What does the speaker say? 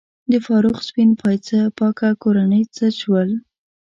د فاروق سپین پایڅه پاکه کورنۍ څه شول؟